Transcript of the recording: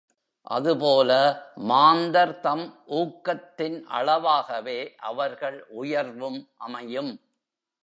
அதுபோல மாந்தர்தம் ஊக்கத்தின் அளவாகவே அவர்கள் உயர்வும் அமையும்.